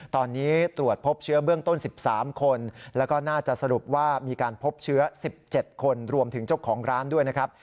ตอนนี้ตรวจพบเชื้อเบื้องต้น๑๓คนแล้วก็น่าจะสรุปว่ามีการพบเชื้อ๑๗คนรวมถึงเจ้าของร้านด้วยนะครับ